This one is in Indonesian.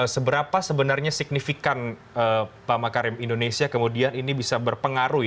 seberapa sebenarnya signifikan pak makarim indonesia kemudian ini bisa berpengaruh